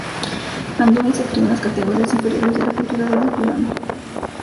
Andoni se crió en las categorías inferiores de la Cultural Durango.